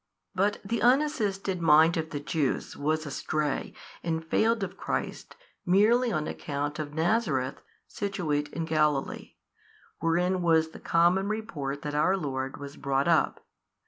But the unassisted mind of the Jews was astray and failed of Christ merely on account of Nazareth situate in Galilee, wherein was the common report that our Lord was brought up.